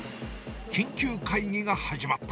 緊急会議が始まった。